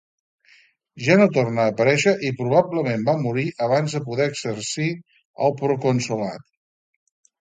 Ja no torna a aparèixer i probablement va morir abans de poder exercir el proconsolat.